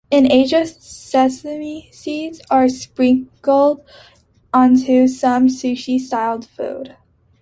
In Asia, sesame seeds are sprinkled onto some sushi-style foods.